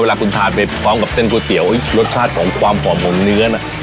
เวลาคุณทานไปพร้อมกับเส้นก๋วยเตี๋ยวรสชาติของความหอมของเนื้อน่ะ